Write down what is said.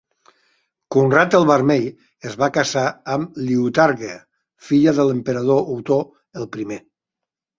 Conrad el Vermell es va casar amb Liutgarde, filla de l'emperador Otó el Primer.